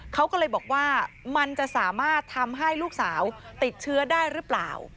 เขาก็เลยบอกว่ามันจะสามารถทำให้ลูกสาวติดเชื้อได้หรือเปล่า